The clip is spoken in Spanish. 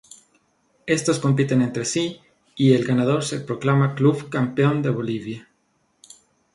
Estos compiten entre sí y el ganador se proclama club Campeón de Bolivia.